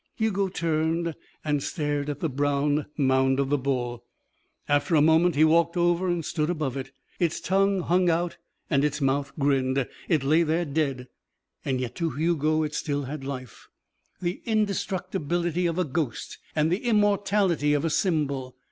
Hugo turned and stared at the brown mound of the bull. After a moment he walked over and stood above it. Its tongue hung out and its mouth grinned. It lay there dead, and yet to Hugo it still had life: the indestructibility of a ghost and the immortality of a symbol.